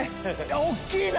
大きいな！